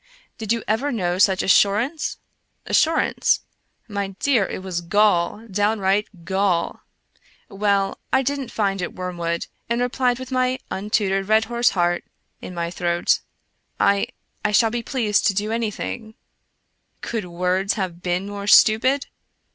Did you ever know such assur ance? Assurance? My dear, it was gall, downright gall\ Well, I didn't find it wormwood, and replied, with my un tutored Redhorse heart in my throat :" I — I shall be pleased to do anything" Could words have been more stupid?